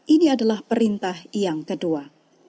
ini adalah perintah yang kedua